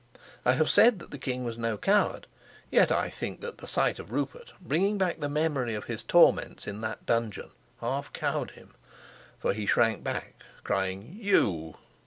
I have said that the king was no coward, yet I think, that the sight of Rupert, bringing back the memory of his torments in the dungeon, half cowed him; for he shrank back crying, "You!"